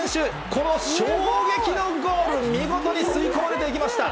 この衝撃のゴール、見事に吸い込まれていきました。